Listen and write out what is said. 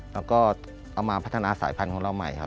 แล้วก็เอามาพัฒนาสายพันธุ์ของเราใหม่ครับ